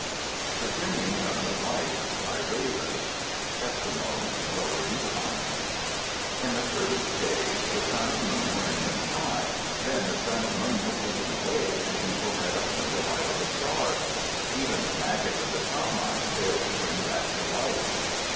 THE BRINGING OF THE LIGHT BY RAVEN Eskimo (Lower Yukon) In the first days, the sun and moon were in the sky. Then the sun and moon were taken away and people had only the light of the stars. Even the magic of the shamans failed to bring back the light.